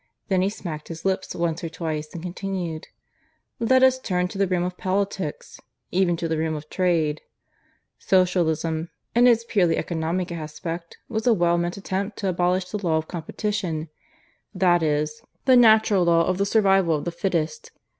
Then he smacked his lips once or twice and continued.) "Let us turn to the realm of politics even to the realm of trade. "Socialism, in its purely economic aspect, was a well meant attempt to abolish the law of competition that is, the natural law of the Survival of the Fittest.